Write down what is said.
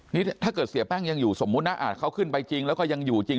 นี่ถ้าเกิดเสียแป้งยังอยู่สมมุตินะเขาขึ้นไปจริงแล้วก็ยังอยู่จริง